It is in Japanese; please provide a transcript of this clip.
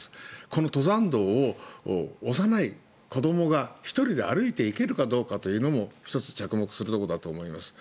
この登山道を幼い子どもが１人で歩いていけるかというのも１つ、着目するところだと思います。